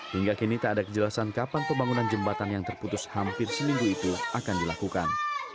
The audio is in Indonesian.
hingga kini tak ada kejelasan kapan pembangunan jembatan yang terputus hampir seminggu itu akan dilakukan